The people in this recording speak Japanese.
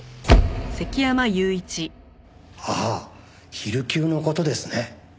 ああ昼休の事ですね。